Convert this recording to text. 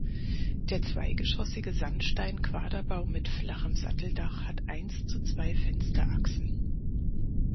Der zweigeschossige Sandsteinquaderbau mit flachem Satteldach hat eins zu zwei Fensterachsen.